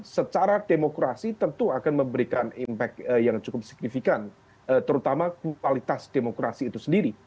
secara demokrasi tentu akan memberikan impact yang cukup signifikan terutama kualitas demokrasi itu sendiri